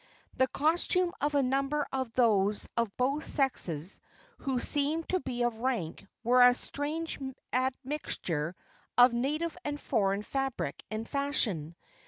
The costumes of a number of those of both sexes who seemed to be of rank were a strange admixture of native and foreign fabric and fashion.